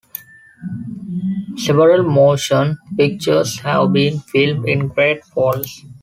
Several motion pictures have been filmed in Great Falls.